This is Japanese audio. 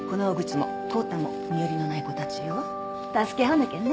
助け合わなきゃね。